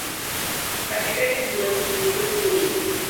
Katikati kuna miji midogo tu.